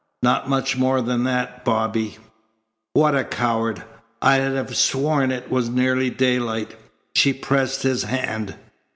"Not much more than that, Bobby." "What a coward! I'd have sworn it was nearly daylight." She pressed his hand.